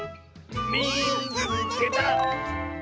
「みいつけた！」。